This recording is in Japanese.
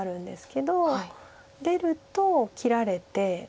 出ると切られて。